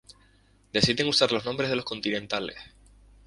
Deciden usar el nombre de Los Continentales.